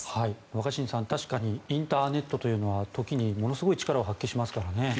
若新さん、確かにインターネットというのは時にものすごい力を発揮しますからね。